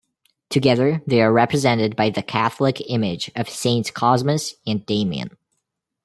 Together they are represented by the Catholic image of Saints Cosmas and Damian.